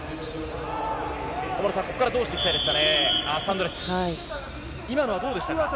ここからどうしていきたいですか？